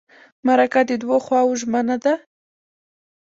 مرکه د دوو خواوو ژمنه ده.